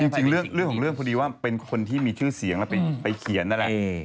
จริงเรื่องของเรื่องพอดีว่าเป็นคนที่มีชื่อเสียงแล้วไปเขียนนั่นแหละ